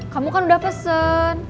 kamu kan udah pesen